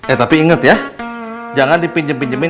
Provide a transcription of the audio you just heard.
eh tapi inget ya jangan dipinjem pinjemin